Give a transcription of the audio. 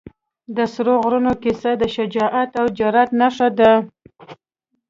د سرو غرونو کیسه د شجاعت او جرئت نښه ده.